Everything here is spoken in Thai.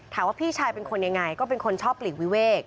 พี่ชายเป็นคนยังไงก็เป็นคนชอบหลีกวิเวก